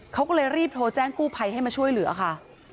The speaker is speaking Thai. เขาก็เลยรีบโทรแจ้งกู้ภัยให้มาช่วยเหลือค่ะ